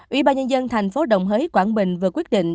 ủy ban nhân dân thành phố đồng hới quảng bình vừa quyết định